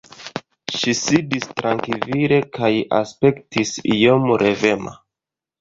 Ŝi sidis trankvile kaj aspektis iom revema.